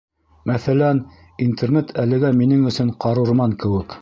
Мәҫәлән, Интернет әлегә минең өсөн ҡарурман кеүек.